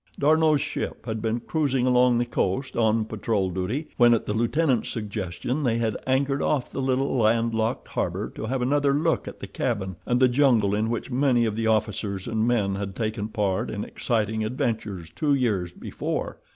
D'Arnot's ship had been cruising along the coast, on patrol duty, when at the lieutenant's suggestion they had anchored off the little landlocked harbor to have another look at the cabin and the jungle in which many of the officers and men had taken part in exciting adventures two years before.